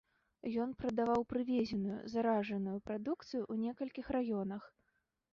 Ён прадаваў прывезеную заражаную прадукцыю ў некалькіх раёнах.